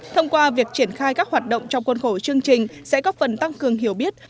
thông qua việc triển khai các hoạt động trong khuôn khổ chương trình sẽ góp phần tăng cường hiểu biết